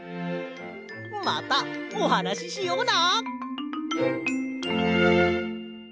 またおはなししような。